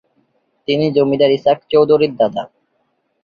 তিনি জমিদার ইসহাক চৌধুরীর দাদা।